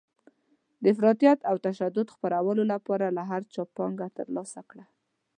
د افراطیت او تشدد خپرولو لپاره یې له هر چا پانګه ترلاسه کړه.